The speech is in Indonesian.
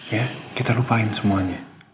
ya kita lupain semuanya